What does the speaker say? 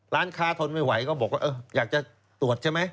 ร้านค้าทนไม่ไหวก็บอกว่าอยากจะตรวจใช่ไหม